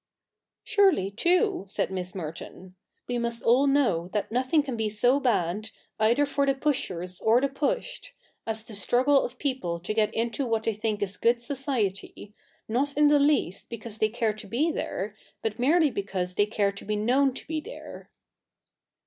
' Surely, too,' said Miss !Merton, ' we must all know that nothing can be so bad, either for the pushers or the pushed, as the struggle of people to get into what they think is good society, not in the least because they care to be there, but merely because they care to be known to be there.'